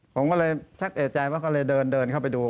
ผมก็เลยชักเอกใจว่าก็เลยเดินเข้าไปดู